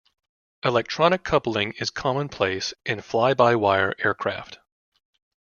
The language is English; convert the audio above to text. Electronic coupling is commonplace in fly-by-wire aircraft.